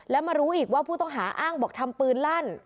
แล้วมารู้อีกว่าผู้ต้องหาอ้างบอกทำปืนลั่น